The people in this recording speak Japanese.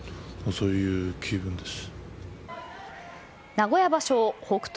名古屋場所北勝